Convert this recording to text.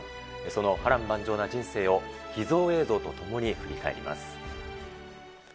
その波乱万丈な人生を秘蔵映像とともに振り返ります。